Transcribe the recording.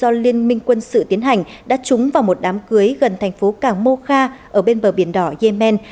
do liên minh quân sự tiến hành đã trúng vào một đám cưới gần thành phố cảng moha ở bên bờ biển đỏ yemen